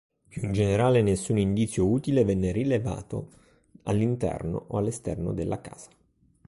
Più in generale nessun indizio utile venne rilevato all'interno o all'esterno della casa.